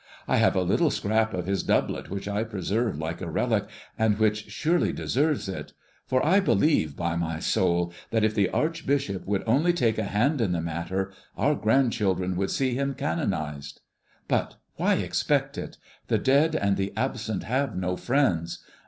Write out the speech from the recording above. I have a little scrap of his doublet which I preserve like a relic, and which surely deserves it; for I believe, by my soul, that if the archbishop would only take a hand in the matter, our grandchildren would see him canonized. But why expect it? The dead and the absent have no friends.